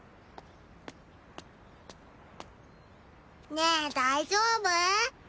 ねえ大丈夫？